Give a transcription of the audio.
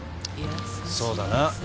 そうだな。